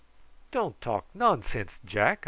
"Don't talk nonsense, Jack!"